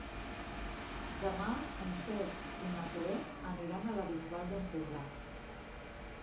Demà en Cesc i na Zoè aniran a la Bisbal d'Empordà.